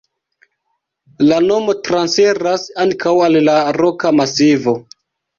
La nomo transiras ankaŭ al la roka masivo.